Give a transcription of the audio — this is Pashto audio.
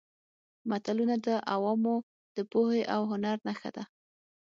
متلونه د عوامو د پوهې او هنر نښه ده